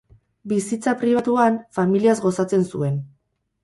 Bizitza pribatuan, familiaz gozatzen zuen.